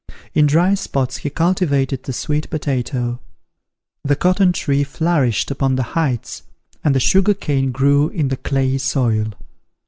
In dry spots he cultivated the sweet potatoe; the cotton tree flourished upon the heights, and the sugar cane grew in the clayey soil.